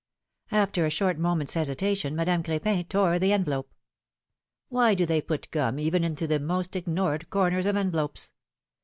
After a short moment's hesitation, Madame Cr^pin tore the envelope. Why do they put gum even into the most ignored corners of envelopes